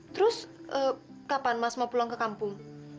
terus kapan mas mau pulang ke kampung